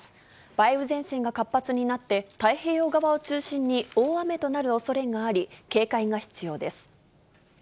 梅雨前線が活発になって、太平洋側を中心に大雨となるおそれがあり、警戒が必要です。